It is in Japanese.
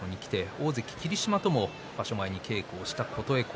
大関霧島とも稽古をした琴恵光。